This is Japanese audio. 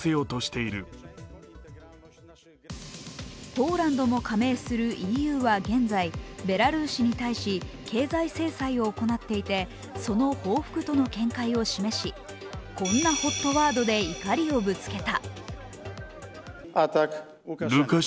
ポーランドも加盟するＥＵは現在、ベラルーシに対し、経済制裁を行っていてその報復との見解を示し、こんなＨＯＴワードで怒りをぶつけた。